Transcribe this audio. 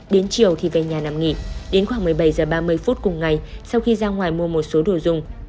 đến chiều thì về nhà nằm nghỉ đến khoảng một mươi bảy h ba mươi phút cùng ngày sau khi ra ngoài mua một số đồ dùng